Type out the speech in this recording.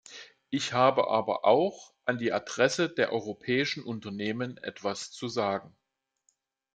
Ich habe aber auch an die Adresse der europäischen Unternehmen etwas zu sagen.